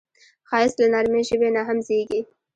ښایست له نرمې ژبې نه هم زېږي